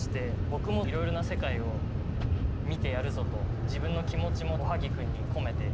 「僕もいろいろな世界を見てやるぞ」と自分の気持ちもおはぎ君に込めて。